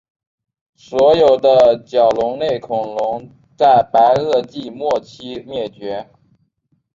所有的角龙类恐龙在白垩纪末期灭绝。